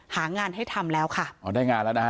หางานให้ทำแล้วค่ะอ๋อได้งานแล้วนะฮะ